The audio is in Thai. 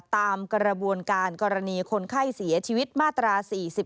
ตามกระบวนการกรณีคนไข้เสียชีวิตมาตรา๔๔